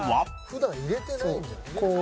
「普段入れてないんじゃない？」